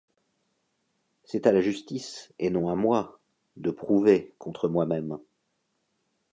C’est à la justice et non à moi de prouver contre moi-même.